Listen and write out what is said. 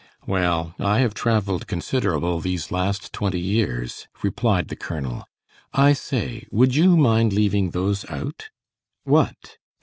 "Well, I have traveled considerable these last twenty years," replied the colonel. "I say, would you mind leaving those out?" "What?"